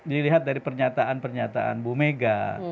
dilihat dari pernyataan pernyataan bu mega